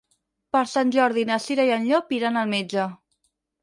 Per Sant Jordi na Cira i en Llop iran al metge.